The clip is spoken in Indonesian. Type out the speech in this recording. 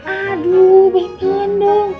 aduh berhentiin dong